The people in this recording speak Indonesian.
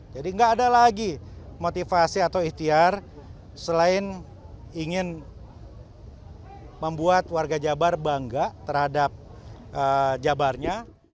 jadi nggak ada lagi motivasi atau ihtiar selain ingin membuat warga jabar bangga terhadap jabarnya